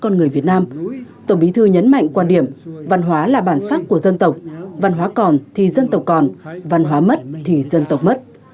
con người việt nam tổng bí thư nhấn mạnh quan điểm văn hóa là bản sắc của dân tộc văn hóa còn thì dân tộc còn văn hóa mất thì dân tộc mất